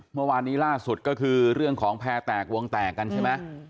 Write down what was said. เมื่อวานนี้ล่าสุดก็คือเรื่องของแพร่แตกวงแตกกันใช่ไหม